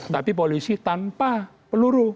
tapi polisi tanpa peluru